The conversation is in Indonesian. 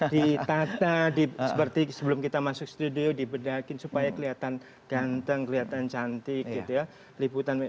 ditata seperti sebelum kita masuk studio dibedakin supaya kelihatan ganteng kelihatan cantik gitu ya